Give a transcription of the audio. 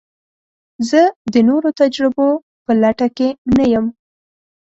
زه د نوو تجربو په لټه کې نه یم.